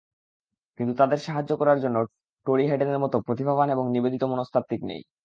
কিন্তু তাদের সাহায্য করার জন্যে টোরি হেডেনের মতো প্রতিভাবান এবং নিবেদিত মনস্তাত্ত্বিক নেই।